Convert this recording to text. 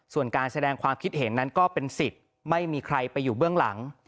ส่วนการแสดงความคิดเห็นนั้นก็เป็นสิทธิ์ไม่มีใครไปอยู่เบื้องหลัง